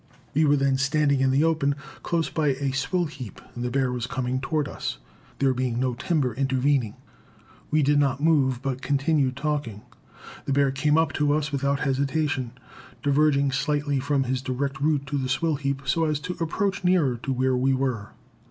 We were then standing in the open close by a swill heap and the bear was coming toward us, there being no timber intervening. We did not move, but continued talking. The bear came up to us without hesitation, diverging slightly from his direct route to the swill heap so as to approach nearer to where we were.